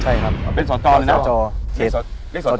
ใช่ครับเป็นสจหรือเปล่าหรือเปล่าสจ